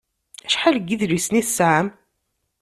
Acḥal n yedlisen i tesɛam?